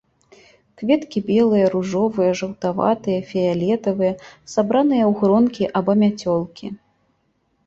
Кветкі белыя, ружовыя, жаўтаватыя, фіялетавыя, сабраныя ў гронкі або мяцёлкі.